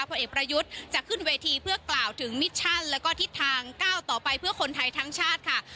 ผลเอกประยุทธ์จะขึ้นเวทีเพื่อกล่าวถึงมิชชั่นแล้วก็ทิศทางก้าวต่อไปเพื่อคนไทยทั้งชาติค่ะ